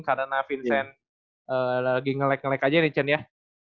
karena vincent lagi ngelag ngelag aja nih cen ya